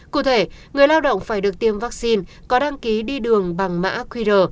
cụ thể người lao động phải được tiêm vaccine có đăng ký đi đường bằng mã qr